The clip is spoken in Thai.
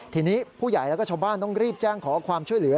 ทีนี้ผู้ใหญ่แล้วก็ชาวบ้านต้องรีบแจ้งขอความช่วยเหลือ